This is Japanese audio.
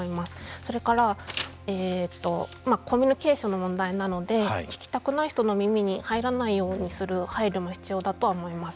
それからコミュニケーションの問題なので聞きたくない人の耳に入らないようにする配慮も必要だとは思います。